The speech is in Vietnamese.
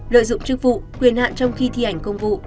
lợi dụng chức vụ quyền hạn trong khi thi hành công vụ